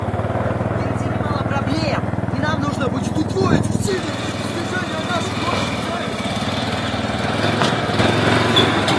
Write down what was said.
Впереди немало проблем, и нам нужно будет удвоить усилия для достижения наших общих целей.